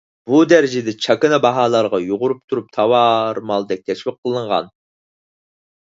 بۇ دەرىجىدە چاكىنا باھالارغا يۇغۇرۇپ تۇرۇپ تاۋار مالدەك تەشۋىق قىلىنغان.